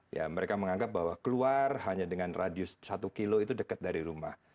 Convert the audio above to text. ya mereka menganggap bahwa keluar hanya dengan radius satu kilo itu dekat dari rumah